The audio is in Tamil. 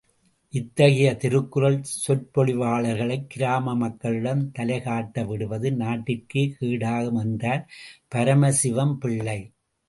இத்தகைய திருக்குறள் சொற்பொழிவாளர்களைக் கிராம மக்களிடம் தலைகாட்டவிடுவது நாட்டிற்கே கேடாகும் என்றார் பரமசிவம் பிள்ளை.